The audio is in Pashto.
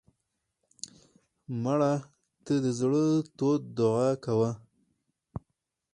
مړه ته د زړه تود دعا کوو